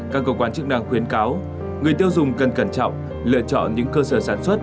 các cơ quan chức năng khuyến cáo người tiêu dùng cần cẩn trọng lựa chọn những cơ sở sản xuất